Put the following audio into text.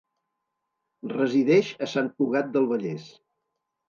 Resideix a Sant Cugat del Vallès.